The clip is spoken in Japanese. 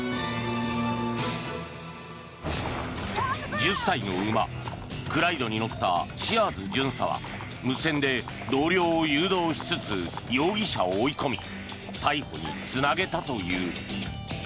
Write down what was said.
１０歳の馬、クライドに乗ったシアーズ巡査は無線で同僚を誘導しつつ容疑者を追い込み逮捕につなげたという。